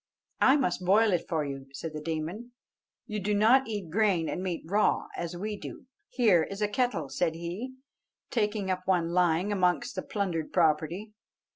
"I must boil it for you," said the demon; "you do not eat grain and meat raw, as we do. Here is a kettle," said he, taking up one lying amongst the plundered property.